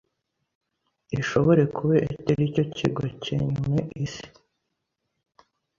ishobore kube eteri cyo cyego cye nyume isi